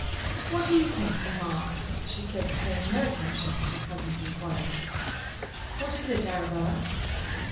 "What do you think, mamma?" she said, paying no attention to her cousin's inquiry. "What is it, Arabella?"